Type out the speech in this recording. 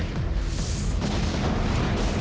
kita harus ke rumah